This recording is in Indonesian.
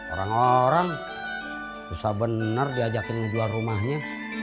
orang orang susah bener diajakin ngejual rumahnya